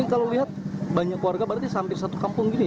ini kalau lihat banyak keluarga berarti hampir satu kampung gini ya